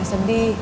muka saya sedih